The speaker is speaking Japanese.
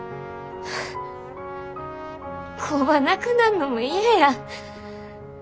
工場なくなんのも嫌や。